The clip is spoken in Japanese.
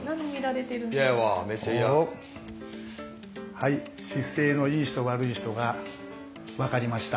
はい姿勢のいい人・悪い人が分かりました。